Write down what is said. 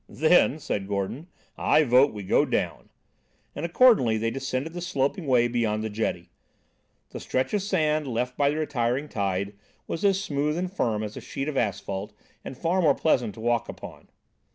"Then," said Gordon, "I vote we go down;" and accordingly they descended the sloping way beyond the jetty. The stretch of sand left by the retiring tide was as smooth and firm as a sheet of asphalt, and far more pleasant to walk upon.